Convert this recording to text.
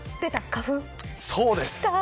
そうです。